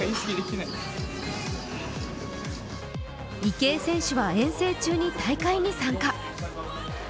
池江選手は遠征中に大会に参加。